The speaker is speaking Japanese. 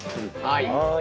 はい。